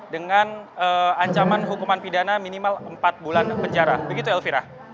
dengan ancaman hukuman pidana minimal empat bulan penjara begitu elvira